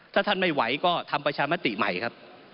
ถ้าท่านไม่ไหวก็ทำประชามติใหม่ครับ